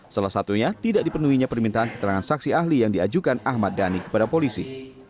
salah satunya tidak dipenuhinya permintaan keterangan saksi ahli yang diajukan ahmad dhani kepada polisi